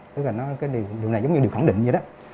tức là cái điều này giống như điều khẳng định vậy đó